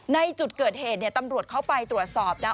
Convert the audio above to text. ในจุดเกิดเหตุเนี่ยตำรวจเข้าไปตรวจสอบนะ